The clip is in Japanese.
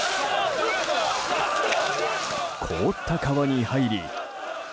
凍った川に入り。